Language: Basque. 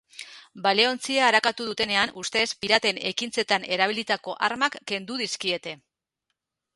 Baleontzia arakatu dutenean, ustez, piraten ekintzetan erabilitako armak kendu dizkiete.